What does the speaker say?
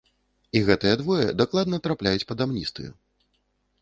І гэтыя двое дакладна трапляюць пад амністыю.